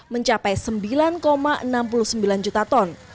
mencapai sembilan enam puluh sembilan juta ton